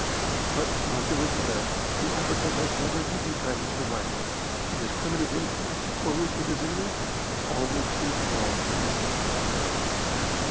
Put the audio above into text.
But, luckily for them, the African has never taken kindly to the rifle, and his primitive instinct to close with his enemy is always too strong for his sense of strategy.